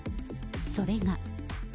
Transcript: それが。